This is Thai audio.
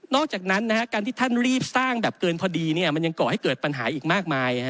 อกจากนั้นการที่ท่านรีบสร้างแบบเกินพอดีมันยังก่อให้เกิดปัญหาอีกมากมาย